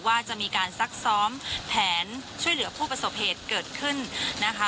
ว่าจะมีการซักซ้อมแผนช่วยเหลือผู้ประสบเหตุเกิดขึ้นนะคะ